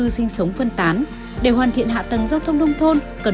xin chào và hẹn gặp lại